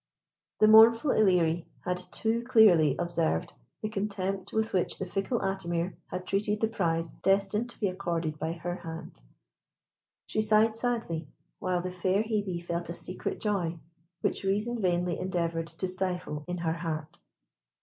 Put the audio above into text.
The mournful Ilerie had too clearly observed the contempt with which the fickle Atimir had treated the prize destined to be accorded by her hand. She sighed sadly, while the fair Hebe felt a secret joy which reason vainly endeavoured to stifle in her heart.